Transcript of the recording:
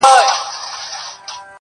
o له عالمه سره غم، نه غم٫